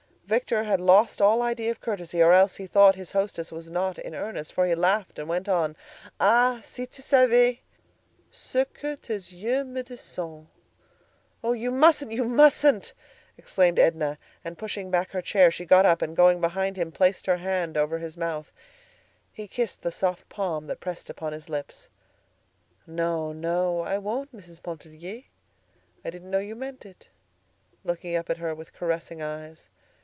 Victor had lost all idea of courtesy, or else he thought his hostess was not in earnest, for he laughed and went on: "Ah! si tu savais Ce que tes yeux me disent"— "Oh! you mustn't! you mustn't," exclaimed Edna, and pushing back her chair she got up, and going behind him placed her hand over his mouth. He kissed the soft palm that pressed upon his lips. "No, no, I won't, Mrs. Pontellier. I didn't know you meant it," looking up at her with caressing eyes.